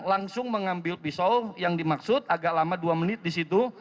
langsung mengambil pisau yang dimaksud agak lama dua menit di situ